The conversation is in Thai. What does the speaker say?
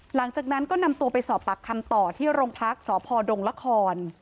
หลังจากนั้นก็นำตัวไปสอบปากคำต่อที่โรงพักษ์สพดงละคร